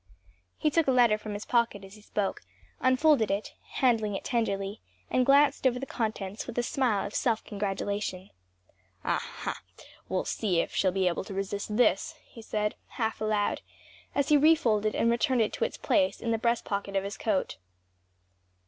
He took a letter from his pocket as he spoke, unfolded it, handling it tenderly, and glanced over the contents with a smile of self congratulation. "Ah, ha! we'll see if she'll be able to resist this!" he said, half aloud, as he refolded and returned it to its place in the breast pocket of his coat.